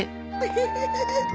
フフフフ。